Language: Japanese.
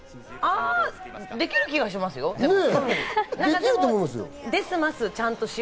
できる気はしますよ。